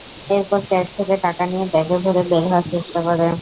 এরপর ক্যাশ থেকে টাকা নিয়ে ব্যাগে ভরে বের হওয়ার চেষ্টা করে।